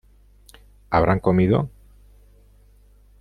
¿habrán comido?